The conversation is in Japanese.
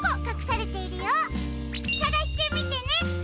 さがしてみてね！